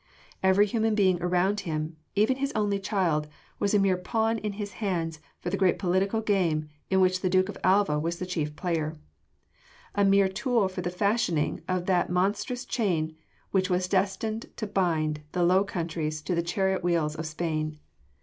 Every human being around him even his only child was a mere pawn in his hands for the great political game in which the Duke of Alva was the chief player a mere tool for the fashioning of that monstrous chain which was destined to bind the Low Countries to the chariot wheels of Spain.